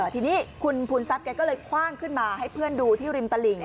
ทีนี้คุณภูนทรัพย์แกก็เลยคว่างขึ้นมาให้เพื่อนดูที่ริมตลิ่ง